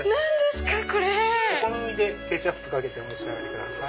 お好みでケチャップかけてお召し上がりください。